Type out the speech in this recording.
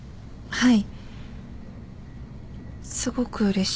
はい。